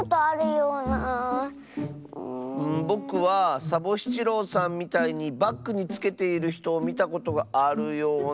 ぼくはサボしちろうさんみたいにバッグにつけているひとをみたことがあるような。